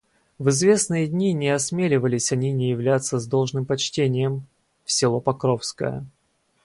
В известные дни не осмеливались они не являться с должным почтением в село Покровское.